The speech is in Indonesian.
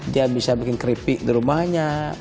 dia bisa bikin keripik di rumahnya